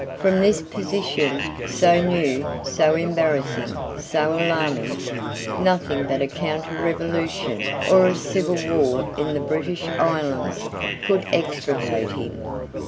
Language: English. From this position, so new, so embarrassing, so alarming, nothing but a counterrevolution or a civil war in the British Islands could extricate him.